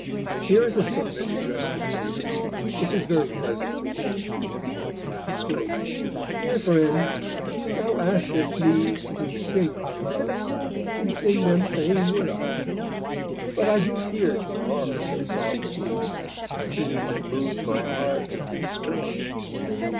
Here is a sonnet addressed to Faber, which is very pleasant to read: _Dear Friend! thou askest me to sing our loves, And sing them fain would I; but I do fear To mar so soft a theme; a theme that moves My heart unto its core.